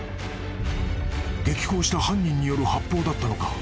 ［激高した犯人による発砲だったのか？］